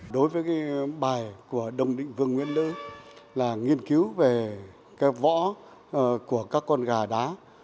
đối với cái bài của đồng định vương nguyễn lữ là nghiên cứu về cái võ của các con gà đá